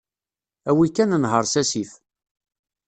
Awi kan nher s asif.